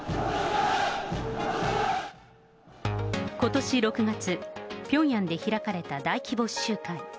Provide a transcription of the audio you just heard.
ことし６月、ピョンヤンで開かれた大規模集会。